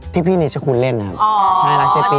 ที่พี่นิชคุนเล่นนะครับอ๋อไม่มี